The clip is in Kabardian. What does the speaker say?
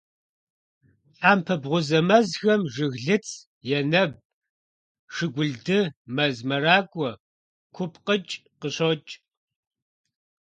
Тхьэмпэ бгъузэ мэзхэм жыглыц, енэб, шыгъулды, мэз мэракӀуэ, купкъыкӀ къыщокӀ.